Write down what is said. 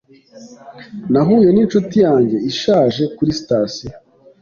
Nahuye ninshuti yanjye ishaje kuri sitasiyo.